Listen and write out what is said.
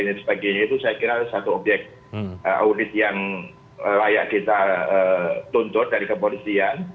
dan sebagainya itu saya kira adalah satu objek audit yang layak kita tuntut dari kepolisian